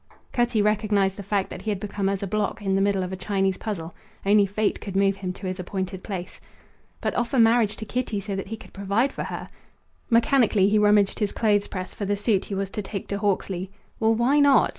Cutty recognized the fact that he had become as a block in the middle of a Chinese puzzle; only Fate could move him to his appointed place. But offer marriage to Kitty so that he could provide for her! Mechanically he rummaged his clothes press for the suit he was to take to Hawksley. Well, why not?